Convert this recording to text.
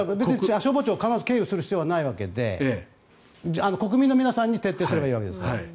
消防庁を必ず経由する必要はないわけで国民の皆さんに徹底すればいいわけですから。